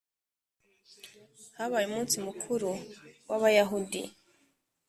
habaye umunsi mukuru w Abayahudi